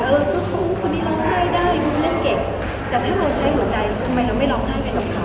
แต่ฮือเจ้าสองสักทีก็ดูปิดครัวเลยแต่ถ้าเราใช้กลัวใจก็ไม่แล้วไม่ร้องไห้ไปต่อน้ำพลาด